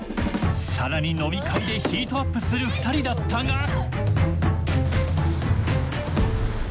更に飲み会でヒートアップする２人だったが。